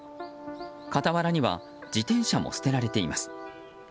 傍らには自転車も捨てられています。